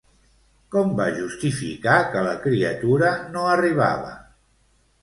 Com va justificar que la criatura no arribava?